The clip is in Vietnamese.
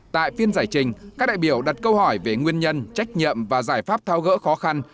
tại phiên giải trình các đại biểu đặt câu hỏi về nguyên nhân trách nhiệm và giải pháp thao gỡ khó khăn